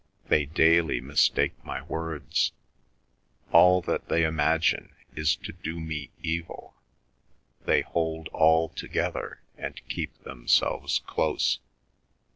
... They daily mistake my words: all that they imagine is to do me evil. They hold all together and keep themselves close.